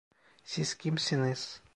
Siz kimsiniz?